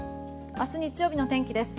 明日日曜日の天気です。